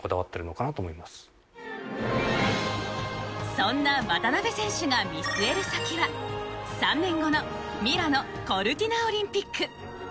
そんな渡辺選手が見据える先は３年後のミラノ・コルティナオリンピック。